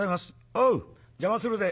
「おう邪魔するぜ」。